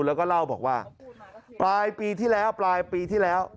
แล้วก็เล่าบอกว่าปลายปีที่แล้วปลายปีที่แล้ว